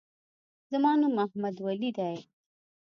زما نوم احمدولي دی.